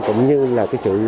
cũng như là cái sự